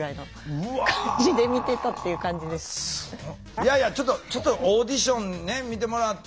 いやいやちょっとオーディション見てもらった。